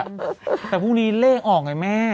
แต่พรุ่งนี้เลขออกไงแม่